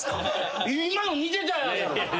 今の似てたやろ。